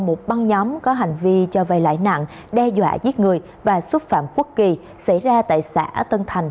một băng nhóm có hành vi cho vay lãi nặng đe dọa giết người và xúc phạm quốc kỳ xảy ra tại xã tân thành